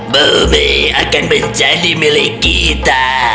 bumi akan menjadi milik kita